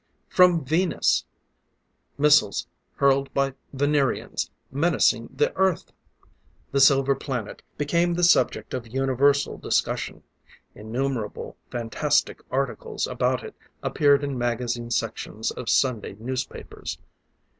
From Venus! Missiles, hurled by Venerians, menacing the Earth! The silver planet became the subject of universal discussion; innumerable fantastic articles about it appeared in magazine sections of Sunday newspapers.